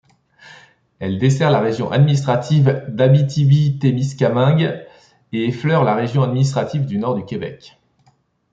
Elle dessert la région administrative de l'Abitibi-Témiscamingue et effleure la région administrative du Nord-du-Québec.